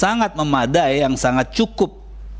sangat memadai yang sangat cukup